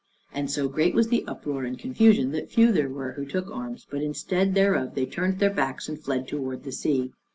And so great was the uproar and confusion, that few there were who took arms, but instead thereof they turned their backs and fled toward the sea.